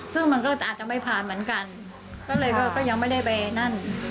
ซึ่งมันก็อาจจะไม่ผ่านเหมือนกันก็เลยก็ยังไม่ได้ไปนั่น